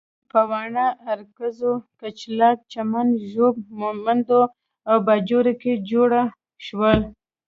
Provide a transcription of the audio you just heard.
په واڼه، ارکزو، کچلاک، چمن، ږوب، مومندو او باجوړ کې جوړ شول.